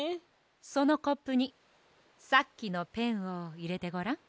そのコップにさっきのペンをいれてごらん。